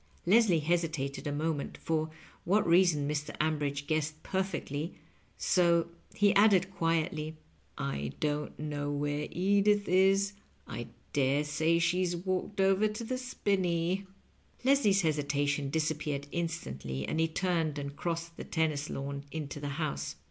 Leslie hesitated a moment, for what reason Mr. Ambridge guessed perfectly, so he added quietly, " I don't know where Edith is; I dare say she's walked over to the spin ney." Leslie's hesitation disappeared instantly, and he turned and crossed the tennis lawn into the house.